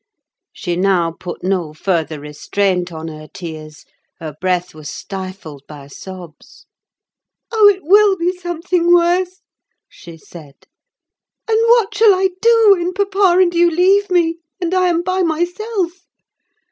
She now put no further restraint on her tears; her breath was stifled by sobs. "Oh, it will be something worse," she said. "And what shall I do when papa and you leave me, and I am by myself?